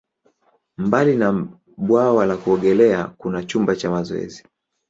Mbali na bwawa la kuogelea, kuna chumba cha mazoezi.